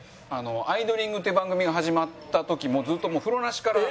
『アイドリング！！！』っていう番組が始まった時もずっともう風呂なしから。